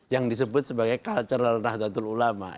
yang disebut sebagai cultural nahdlatul ulama